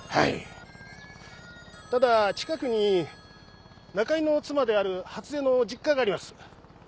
ただ近くに中井の妻である初枝の実家があります